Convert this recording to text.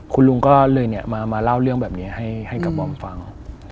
คุณลุงก็เลยมาเล่าเรื่องแบบนี้ให้กับบอมฟัง